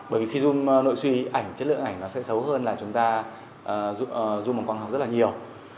bởi vì khi zoom nội suy ảnh chất lượng ảnh nó sẽ xấu hơn là chúng ta zoom bằng quang học rất là nhiều